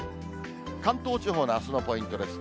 関東地方のあすのポイントです。